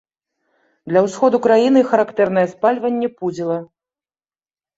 Для ўсходу краіны характэрнае спальванне пудзіла.